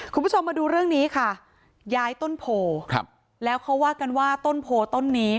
คุณผู้ชมมาดูเรื่องนี้ค่ะย้ายต้นโพครับแล้วเขาว่ากันว่าต้นโพต้นนี้